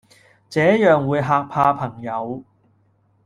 這樣會嚇怕朋友